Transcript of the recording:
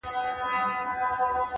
هره تجربه د شخصیت نوې کرښه رسموي.!